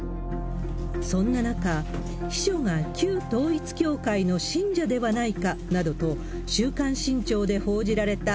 そんな中、秘書が旧統一教会の信者ではないかなどと週刊新潮で報じられた